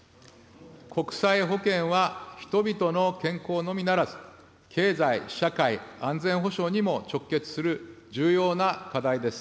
国際保健は人々の健康のみならず、経済、社会、安全保障にも直結する重要な課題です。